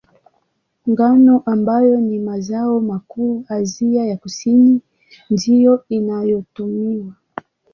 Ngano, ambayo ni mazao makuu Asia ya Kusini, ndiyo inayotumiwa.